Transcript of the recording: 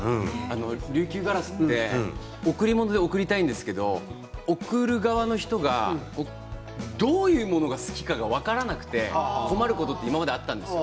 琉球ガラスって贈り物で贈りたいんですけど贈る側の人がどういうものが好きか分からなくて困ることって今まであったんです。